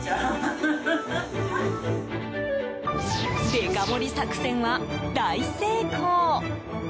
デカ盛り作戦は大成功。